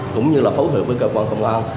cũng như là phối hợp với cơ quan công an